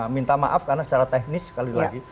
minta maaf karena secara teknis sekali lagi